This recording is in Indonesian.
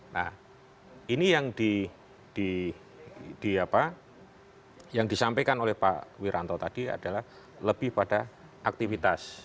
nah ini yang di di di apa yang disampaikan oleh pak wiranto tadi adalah lebih pada aktivitas